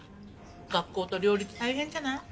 学校と両立大変じゃない？